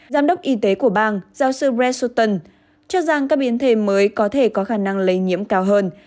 giám đốc y tế của bang giáo sư bre sutton cho rằng các biến thể mới có thể có khả năng lây nhiễm cao hơn